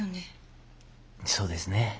そうですね。